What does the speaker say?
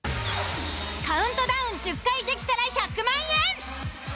カウントダウン１０回できたら１００万円！